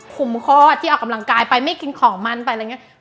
มคลอดที่ออกกำลังกายไปไม่กินของมันไปอะไรอย่างนี้